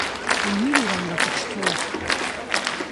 Yimiriranga ku kituufu.